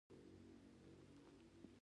دا لوښي له روم او مصر راغلي وو